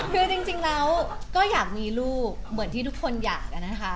คือจริงแล้วก็อยากมีลูกเหมือนที่ทุกคนอยากนะคะ